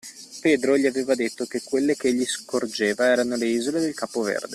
Pedro gli aveva detto che quelle ch'egli scorgeva erano le isole del Capo Verde.